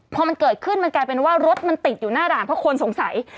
พอมันเกิดขึ้นมันกลายเป็นว่ารถมันติดอยู่หน้าด่านเพราะคนสงสัย